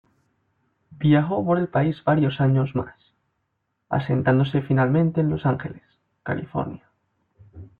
Viajó por el país varios años más, asentándose finalmente en Los Ángeles, California.